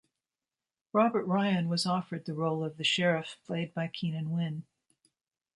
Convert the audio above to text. Robert Ryan was offered the role of the Sheriff played by Keenan Wynn.